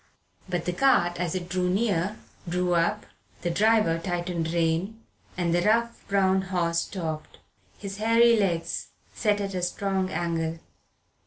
But the cart as it drew near drew up, the driver tightened rein, and the rough brown horse stopped his hairy legs set at a strong angle.